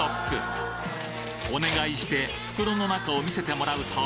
お願いして袋の中を見せてもらうと